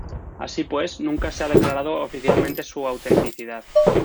Así pues, nunca se ha declarado oficialmente su autenticidad.